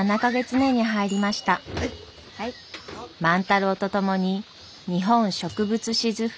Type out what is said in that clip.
万太郎と共に「日本植物志図譜」